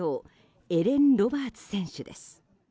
エレン・ロバーツ選手です。